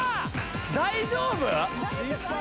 大丈夫？